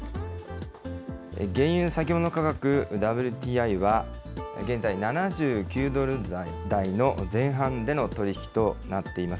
原油先物価格・ＷＴＩは現在、７９ドル台の前半での取り引きとなっています。